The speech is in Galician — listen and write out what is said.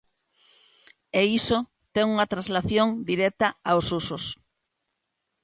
E iso ten unha translación directa aos usos.